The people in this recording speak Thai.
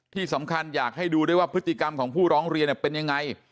ที่สำคัญอยากให้ดูด้วยว่าพฤติกรรมของผู้ร้องเรียนเป็นยังไง